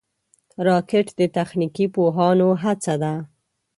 راکټ د تخنیکي پوهانو هڅه ده